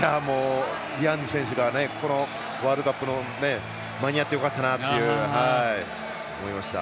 ディアンズ選手がこのワールドカップに間に合ってよかったなって思いました。